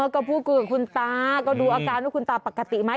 ก็พูดคุยกับคุณตาก็ดูอาการว่าคุณตาปกติไหม